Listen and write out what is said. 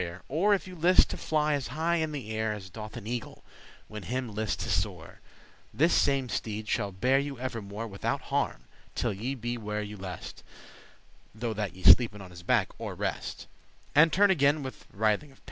*hurt, injury Or if you list to fly as high in air As doth an eagle, when him list to soar, This same steed shall bear you evermore Withoute harm, till ye be where *you lest* *it pleases you* (Though that ye sleepen on his back, or rest), And turn again, with writhing* of a pin.